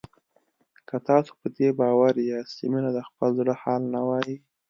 که تاسو په دې باور یاست چې مينه د خپل زړه حال نه وايي